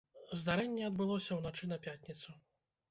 Здарэнне адбылося ўначы на пятніцу.